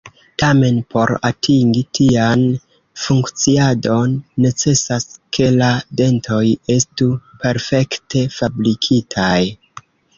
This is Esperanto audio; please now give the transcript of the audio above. Tamen, por atingi tian funkciadon, necesas ke la dentoj estu perfekte fabrikitaj.